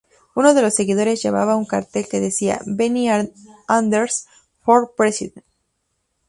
Uno de los seguidores llevaba un cartel que decía "Benny Anders for President".